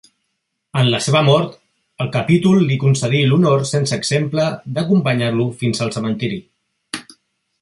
En la seva mort, el capítol li concedí l'honor sense exemple d'acompanyar-lo fins al cementiri.